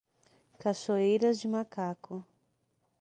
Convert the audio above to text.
Cachoeiras de Macacu